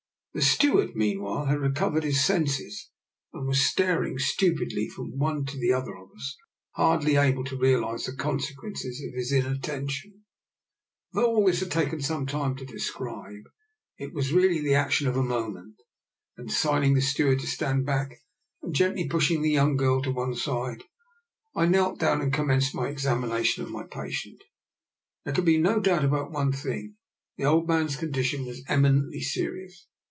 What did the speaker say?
The steward meanwhile had recovered his senses, and was staring stu pidly from one to the other of us, hardly able to realise the consequences of his inattention. Though all this has taken some time to de scribe, it was really the action of a moment; then signing to the steward to stand back, and gently pushing the young girl to one side, I knelt down and commenced my examina tion of my patient. There could be no doubt about one thing, the old man's condition was eminently serious.